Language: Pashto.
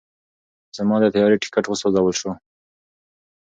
زما د طیارې ټیکټ وسوځل شو.